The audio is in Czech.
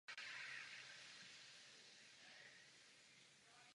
Po jeho ukončení se zapsal současně na filozofickou i právnickou fakultu v Palermu.